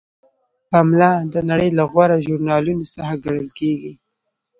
پملا د نړۍ له غوره ژورنالونو څخه ګڼل کیږي.